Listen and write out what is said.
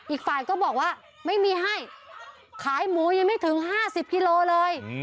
อีกฝ่ายแบบว่าไม่มีให้ขายหมูยังไม่ถึง๕๐กิโลเคราะห์เลย